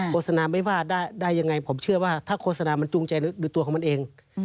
โฆษณาไม่ว่าได้ยังไงผมเชื่อว่าถ้าโฆษณามันจูงใจหรือตัวของมันเอง